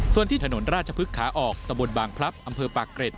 ส่วนที่ถนนราชพฤกษาออกตะบนบางพลับอำเภอปากเกร็ด